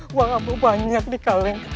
huang ampuh banyak nih kalian